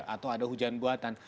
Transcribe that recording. atau ada hujan buatan